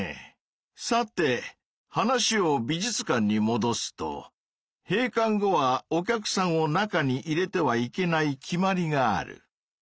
さて話を美術館にもどすと閉館後はお客さんを中に入れてはいけない決まりがある。